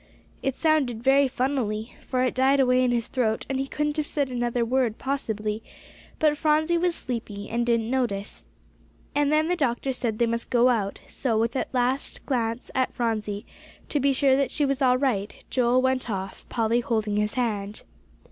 It sounded very funnily, for it died away in his throat, and he couldn't have said another word possibly; but Phronsie was sleepy, and didn't notice. And then the doctor said they must go out; so with a last glance at Phronsie, to be sure that she was all right, Joel went off, Polly holding his hand.